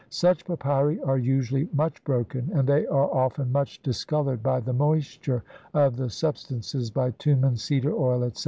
Such papyri are usually much broken, and they are often much discoloured by the moisture of the sub stances, bitumen, cedar oil, etc.